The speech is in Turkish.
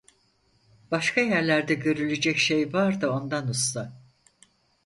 Başka yerlerde görülecek şey var da ondan, usta…